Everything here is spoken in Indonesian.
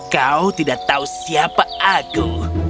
kau tidak tahu siapa aku